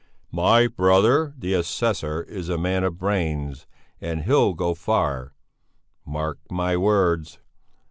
"My brother, the assessor, is a man of brains, and he'll go far, mark my words!"